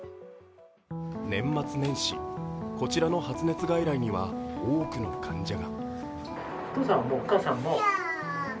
年末年始、こちらの発熱外来には多くの患者が。